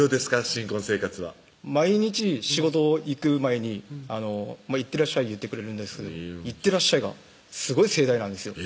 新婚生活は毎日仕事行く前に「いってらっしゃい」言ってくれるんです「いってらっしゃい」がすごい盛大なんですよ